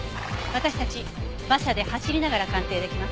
私たち馬車で走りながら鑑定できます。